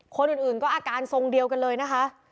คนอื่นก็อาการทรงเดียวกันเลยนะคะ